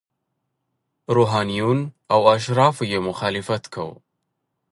روحانینو او اشرافو یې مخالفت کاوه.